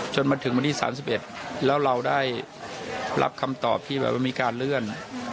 จนถึงวันที่๓๑แล้วเราได้รับคำตอบที่แบบว่ามีการเลื่อน